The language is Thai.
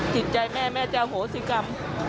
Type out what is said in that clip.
ผิดใจแม่แม่จะโอโษสีกรรม